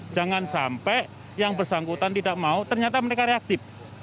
jangan sampai yang bersangkutan tidak mau ternyata mereka reaktif